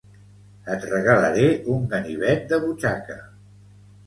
Et regalaré un ganivet de butxaca